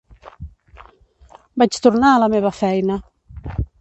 Vaig tornar a la meva feina.